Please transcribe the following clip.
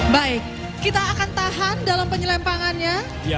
baik kita akan tahan dalam penyelempangannya